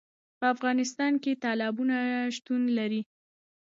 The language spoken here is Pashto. په افغانستان کې تالابونه شتون لري.